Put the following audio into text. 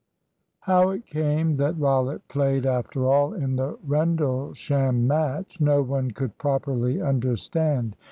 How it came that Rollitt played, after all, in the Rendlesham match, no one could properly understand.